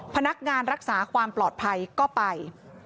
พนักงานรักษาความปลอดภัยก็ไป